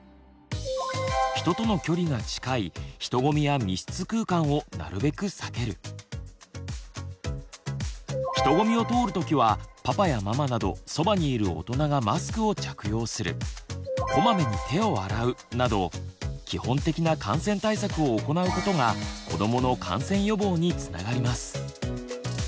人との距離が近い人混みを通る時はパパやママなどそばにいる大人がマスクを着用するこまめに手を洗うなど基本的な感染対策を行うことが子どもの感染予防につながります。